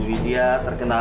ibu dia terkena